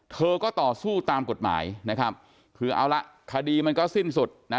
เธอก็ต่อสู้ตามกฎหมายนะครับคือเอาละคดีมันก็สิ้นสุดนะ